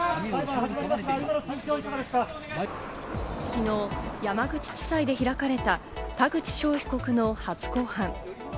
昨日、山口地裁で開かれた田口翔被告の初公判。